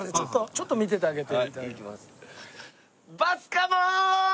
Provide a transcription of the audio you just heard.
ちょっと見ててあげて。